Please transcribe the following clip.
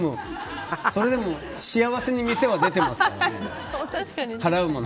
それでも幸せに店は出てますから。